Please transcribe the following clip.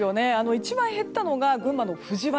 一番減ったのが群馬の藤原。